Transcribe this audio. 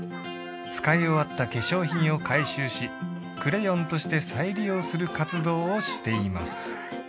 使い終わった化粧品を回収しクレヨンとして再利用する活動をしています